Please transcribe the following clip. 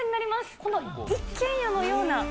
この一軒家のような。